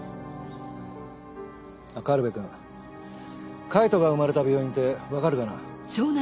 軽部くん海人が生まれた病院ってわかるかな？